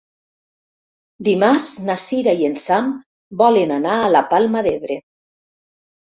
Dimarts na Cira i en Sam volen anar a la Palma d'Ebre.